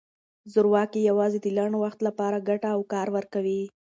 زورواکي یوازې د لنډ وخت لپاره ګټه او کار ورکوي.